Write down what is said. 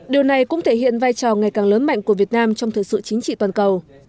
điều này cũng thể hiện vai trò ngày càng lớn mạnh của việt nam trong thời sự chính trị toàn cầu